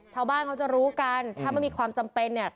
ชาวบ้านเขาจะรู้กันถ้าไม่มีความจำเป็นเนี่ย